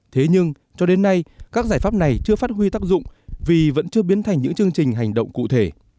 thế nhưng cho đến nay các giải pháp này chưa phát huy tác dụng vì vẫn chưa biến thành những chương trình hành động cụ thể